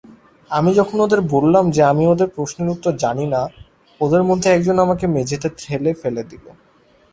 আমি যখন ওদের বললাম যে আমি ওদের প্রশ্নের উত্তর জানি না, ওদের মধ্যে একজন আমাকে মেঝেতে ঠেলে ফেলে দিল।